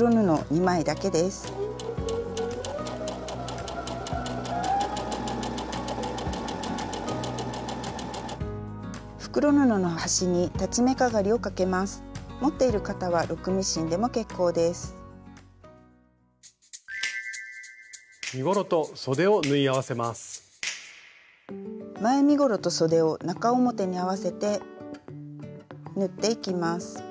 前身ごろとそでを中表に合わせて縫っていきます。